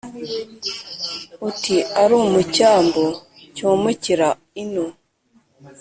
Uti : Ari mu cyambu cyomokera ino!